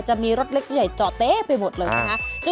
จะมีรถเล็กใหญ่จอดเต๊ะไปหมดเลยนะคะ